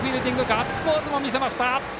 ガッツポーズも見せました！